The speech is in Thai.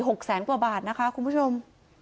หกแสนกว่าบาทนะคะคุณผู้ชม